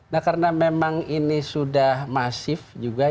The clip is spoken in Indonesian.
nah karena memang ini sudah masif juga